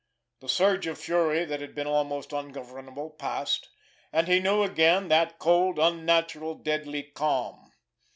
The surge of fury that had been almost ungovernable passed, and he knew again that cold, unnatural, deadly calm.